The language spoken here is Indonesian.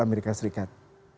atau amerika serikat